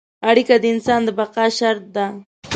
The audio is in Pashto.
اړیکه د انسان د بقا شرط ده.